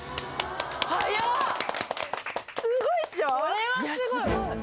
これはすごい。